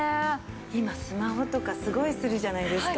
今スマホとかすごいするじゃないですか。